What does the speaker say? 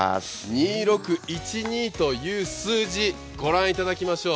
２６１２という数字、御覧いただきましょう。